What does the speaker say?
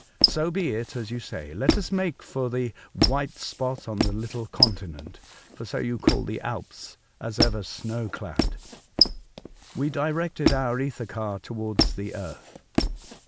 So be it, as you say — let us make for the 'white spot on the little continent,'" — for so we call the Alps, as ever snow clad. We directed our ether car towards the earth.